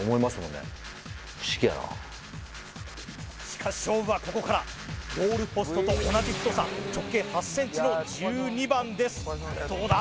しかし勝負はここからゴールポストと同じ太さ直径８ｃｍの１２番ですどうだ？